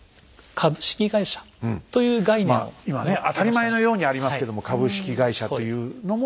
今ね当たり前のようにありますけども株式会社というのも。